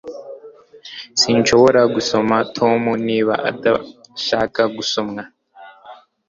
Sinshobora gusoma Tom niba adashaka gusomwa